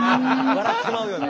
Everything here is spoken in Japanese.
笑ってまうよね。